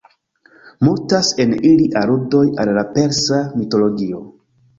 Multas en ili aludoj al la persa mitologio.